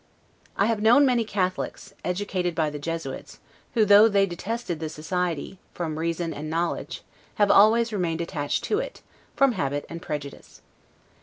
I have known many Catholics, educated by the Jesuits, who, though they detested the society, from reason and knowledge, have always remained attached to it, from habit and prejudice.